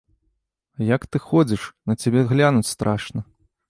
Як ты ходзіш, на цябе глянуць страшна!